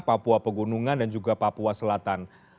papua pegunungan dan juga papua selatan